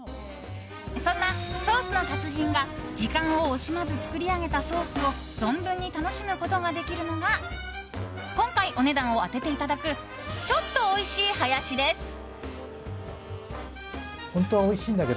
そんなソースの達人が時間を惜しまず作り上げたソースを存分に楽しむことができるのが今回、お値段を当てていただくちょっと美味しいハヤシです。